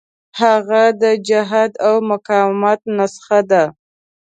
هغه د جهاد او مقاومت نسخه ده.